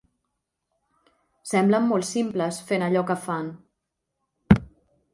Semblen molts simples fent allò que fan.